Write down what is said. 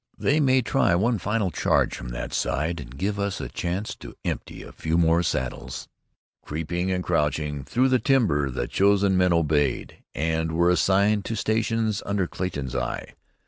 "They may try one final charge from that side, and give us a chance to empty a few more saddles." Creeping and crouching through the timber the chosen men obeyed, and were assigned to stations under Clayton's eye.